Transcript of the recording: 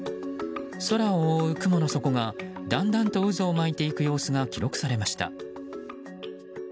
空を覆う雲の底がだんだんと渦を巻いていく様子が記録されました。